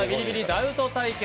ダウト対決！」